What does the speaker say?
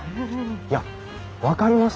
いや分かりましたよ。